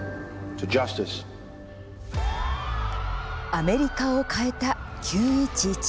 アメリカを変えた９．１１。